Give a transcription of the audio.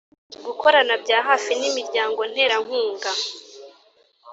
Gukorana bya hafi n’imiryango nterankunga